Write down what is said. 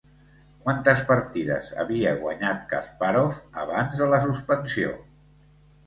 Quantes partides havia guanyat Kaspàrov abans de la suspensió?